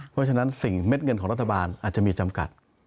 เพราะฉะนั้นสิ่งเม็ดเงินของรัฐบาลอาจจะมีจำกัด